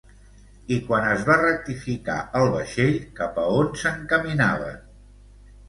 I quan es va rectificar el vaixell cap a on s'encaminaven?